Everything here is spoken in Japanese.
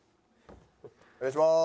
お願いします。